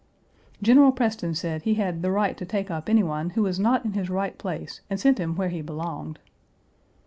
General Preston said he had "the right to take up any Page 207 one who was not in his right place and send him where he belonged."